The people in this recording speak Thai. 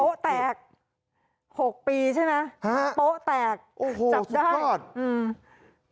แตกหกปีใช่ไหมฮะโป๊ะแตกโอ้โหจับได้รอดอืม